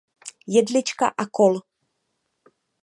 Jedlička a kol.